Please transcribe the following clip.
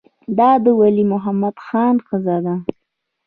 دا د ولی محمد خان ښځه ده.